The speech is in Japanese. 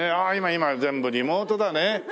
ああ今今全部リモートだね。